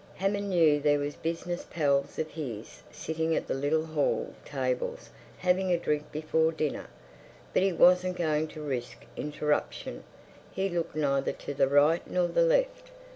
Hammond knew there were business pals of his sitting at the little hall tables having a drink before dinner. But he wasn't going to risk interruption; he looked neither to the right nor the left.